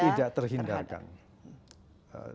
itu tidak terhindarkan